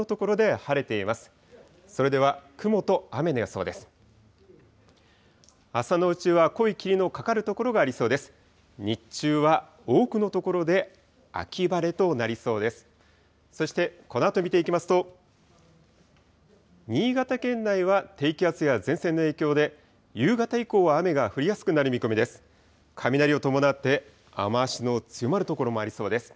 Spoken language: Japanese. そしてこのあと見ていきますと、新潟県内は低気圧や前線の影響で、夕方以降は雨が降りやすくなる見込みです。